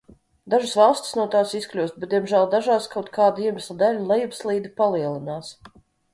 Dažas valstis no tās izkļūst, bet diemžēl dažās kaut kāda iemesla dēļ lejupslīde palielinās.